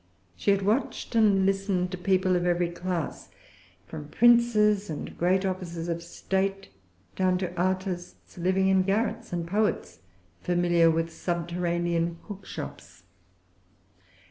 She had watched and listened to people of every class, from princes and great officers of state down to artists living in garrets, and poets familiar with subterranean cookshops.